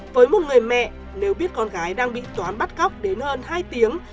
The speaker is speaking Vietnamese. với một người mẹ nếu biết con gái đang bị toán bắt cóc đến hơn hai tiếng